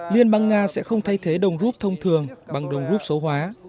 liên bang nga sẽ không thay thế đồng rút thông thường bằng đồng rút số hóa